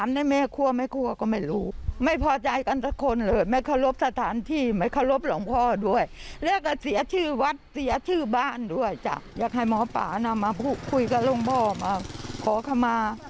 มาคุยกับหลวงพ่อมาขอขมา